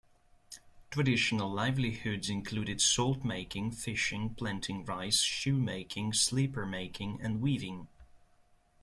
Traditional livelihoods included salt-making, fishing, planting rice, shoemaking, slipper-making and weaving.